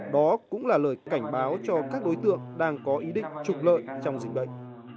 đó cũng là lời cảnh báo cho các đối tượng đang có ý định trục lợi trong dịch bệnh